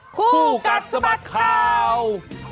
คู่กัดสะบัดข่าว